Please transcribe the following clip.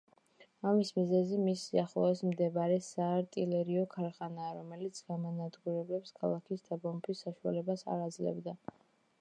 ამის მიზეზი მის სიახლოვეს მდებარე საარტილერიო ქარხანაა, რომელიც გამანადგურებლებს ქალაქის დაბომბვის საშუალებას არ აძლევდა.